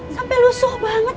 sampai lusuh banget